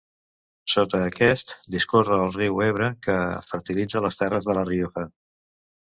Sota aquest, discorre el Riu Ebre, que fertilitza les terres de La Rioja.